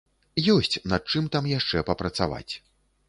Ёсць, над чым там яшчэ папрацаваць.